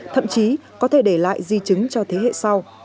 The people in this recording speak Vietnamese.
thậm chí có thể để lại di chứng cho thế hệ sau